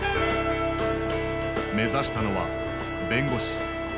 目指したのは弁護士。